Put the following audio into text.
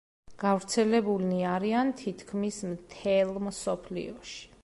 გავრცელებულნი არიან თითქმის მთელ მსოფლიოში.